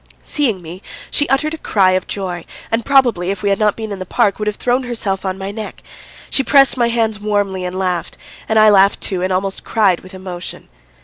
Seeing me, she uttered a cry of joy, and probably, if we had not been in the park, would have thrown herself on my neck. She pressed my hands warmly and laughed; and I laughed too and almost cried with emotion.